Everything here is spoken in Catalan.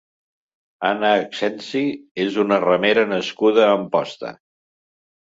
Anna Accensi és una remera nascuda a Amposta.